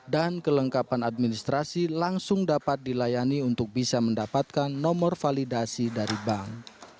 dan kelengkapan administrasi langsung dapat dilayani untuk bisa mendapatkan nomor validasi dari bank